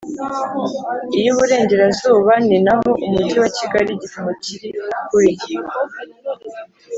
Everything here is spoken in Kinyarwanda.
iy Iburengerazuba ni naho Umujyi wa Kigali igipimo kiri kuri